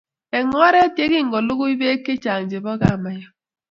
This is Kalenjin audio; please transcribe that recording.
Eng oret ye kingolugui Bek chechang chebo kamaiyo